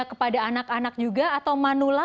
kepada anak anak juga atau manula